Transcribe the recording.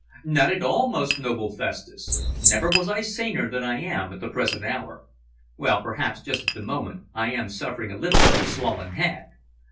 "Not at all, most noble Festus. Never was I saner than I am at the present hour. Well, perhaps just at the moment I am suffering a little from swollen head.